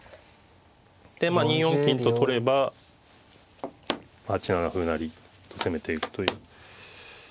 でまあ２四金と取れば８七歩成と攻めていくと。